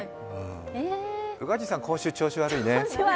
宇賀神さん、今週調子悪いね。